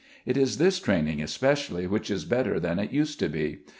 It is this training especially which is better than it used to be.